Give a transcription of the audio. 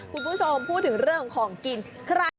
คุณผู้ชมพูดถึงเรื่องของของกิน